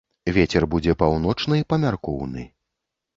Вецер будзе паўночны памяркоўны.